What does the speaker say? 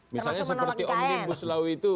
misalnya seperti omnibus law itu